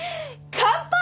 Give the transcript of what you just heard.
乾杯！